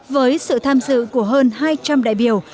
với sự tham dự của hơn hai trăm linh đại biểu